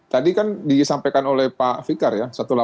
tadi kan disampaikan oleh pak fikar ya